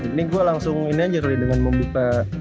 ini gua langsung ini aja rly dengan membuka